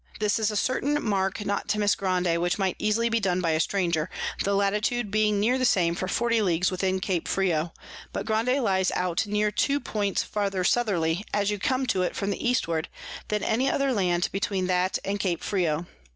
This is a certain Mark not to miss Grande, which might easily be done by a Stranger, the Latitude being near the same for 40 Leagues within Cape Frio; but Grande lies out near two Points farther Southerly, as you come to it from the Eastward, than any other Land between that and Cape Frio.